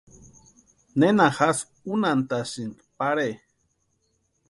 ¿Nena jásï únhantasïnki pare?